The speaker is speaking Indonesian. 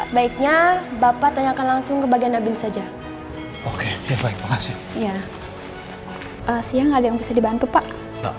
siang ada yang bisa dibantu pak